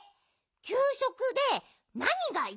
きゅうしょくでなにがいちばんすき？